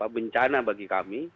bencana bagi kami